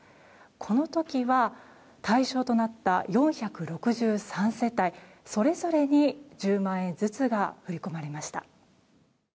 この時は対象となった４６３世帯それぞれに１０万円ずつが振り込まれました。